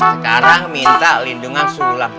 sekarang minta lindungan sulam